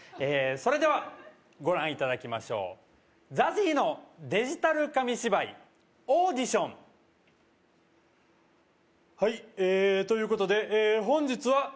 それではご覧いただきましょうＺＡＺＹのデジタル紙芝居「オーディション」「はいえっということで本日は」